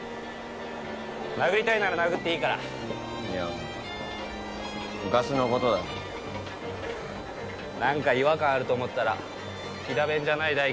殴りたいなら殴っていいからいや昔のことだよ何か違和感あると思ったら飛騨弁じゃない大輝